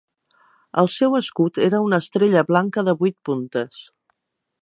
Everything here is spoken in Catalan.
El seu escut era una estrella blanca de vuit puntes.